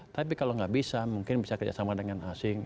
tapi kalau nggak bisa mungkin bisa kerjasama dengan asing